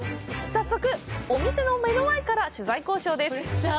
さっそくお店の目の前から取材交渉です！